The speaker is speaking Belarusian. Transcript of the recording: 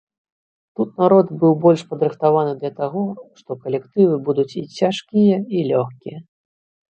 Тут народ быў больш падрыхтаваны да таго, што калектывы будуць і цяжкія, і лёгкія.